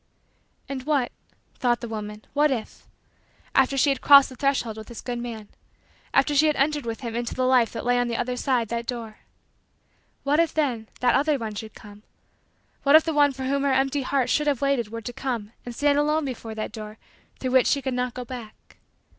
And what, thought the woman, what if after she had crossed the threshold with this good man after she had entered with him into the life that lay on the other side that door what if, then, that other one should come? What if the one for whom her empty heart should have waited were to come and stand alone before that door through which she could not go back?